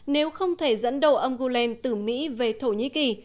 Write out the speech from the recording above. nếu không thể dẫn đầu ông gulen từ mỹ về thổ nhĩ kỳ